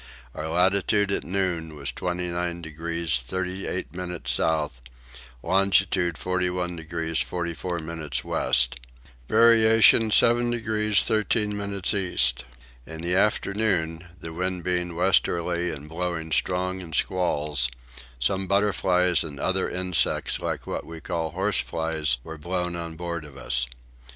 Our latitude at noon was 29 degrees 38 minutes south, longitude 41 degrees 44 minutes west. Variation 7 degrees 13 minutes east. In the afternoon, the wind being westerly and blowing strong in squalls, some butterflies and other insects like what we call horseflies were blown on board of us.